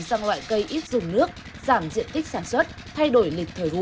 sang loại cây ít dùng nước giảm diện tích sản xuất thay đổi lịch thời vụ